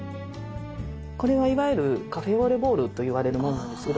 これはいわゆるカフェオレボウルといわれるものなんですけど。